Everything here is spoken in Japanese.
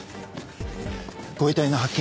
ご遺体の発見